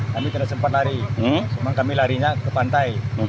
kami tidak sempat lari cuma kami larinya ke pantai